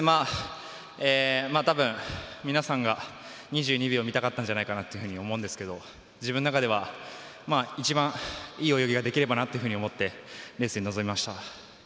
たぶん、皆さんは２２秒を見たかったんじゃないかと思うんですけど自分の中では一番、いい泳ぎができればなっていうふうに思ってレースに臨みました。